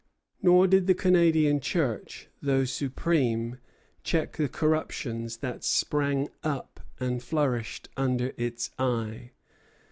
Nor did the Canadian Church, though supreme, check the corruptions that sprang up and flourished under its eye.